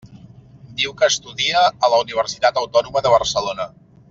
Diu que estudia a la Universitat Autònoma de Barcelona.